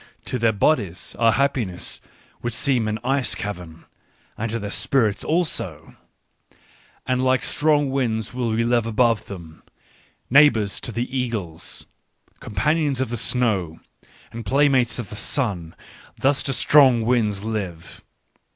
To their bodies our happiness would seem an ice cavern, and to their spirits also !" And like strong winds will we live above them, neighbours to the eagles, companions of the snow, and playmates of the sun : thus do strong winds live.